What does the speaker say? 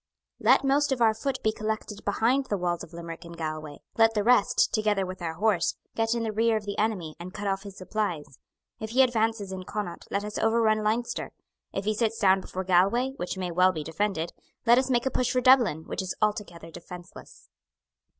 "Let most of our foot be collected behind the walls of Limerick and Galway. Let the rest, together with our horse, get in the rear of the enemy, and cut off his supplies. If he advances into Connaught, let us overrun Leinster. If he sits down before Galway, which may well be defended, let us make a push for Dublin, which is altogether defenceless."